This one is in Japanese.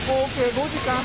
５時間半！